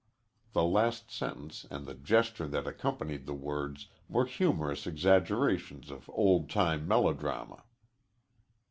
The last sentence and the gesture that accompanied the words were humorous exaggerations of old time melodrama.